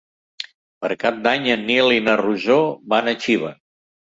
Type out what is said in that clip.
Per Cap d'Any en Nil i na Rosó van a Xiva.